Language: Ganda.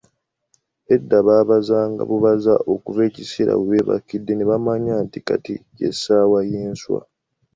Edda baabazanga bubaza okuva ekiseera webeebakidde nebamanya nti kati ye ssaawa ey'enswa.